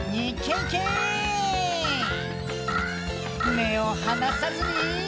めをはなさずに。